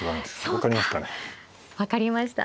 分かりました。